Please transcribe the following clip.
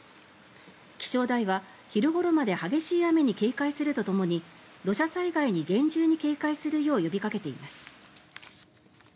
気象台は昼ごろまで激しい雨に警戒するとともに土砂災害に厳重に警戒するよう呼びかけています。